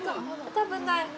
多分ない。